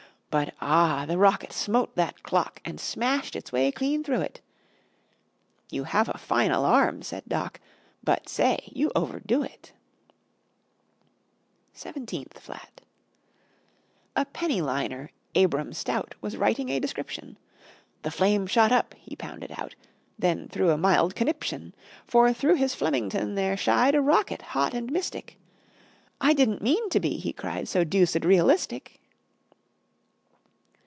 But, ah! the rocket smote that clock And smashed its way clean through it! "You have a fine alarm," said Doc, "But, say, you overdo it!" [Illustration: SIXTEENTH FLAT] SEVENTEENTH FLAT A penny liner, Abram Stout, Was writing a description. "The flame shot up," he pounded out Then threw a mild conniption. For through his Flemington there shied A rocket, hot and mystic. "I didn't mean to be," he cried, "So deuced realistic!"